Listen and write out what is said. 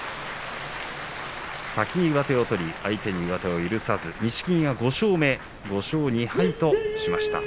先に上手を取り相手に上手を許さず、錦木が５勝目、５勝２敗としました。